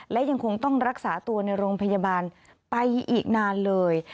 และยังคงต้องรักษาตัวในโรงพยาบาลไปอีกนานเลย